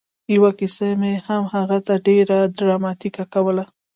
یوه کیسه مې هغه ته ډېره ډراماتيکه کوله